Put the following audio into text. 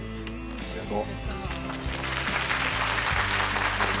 ありがとう。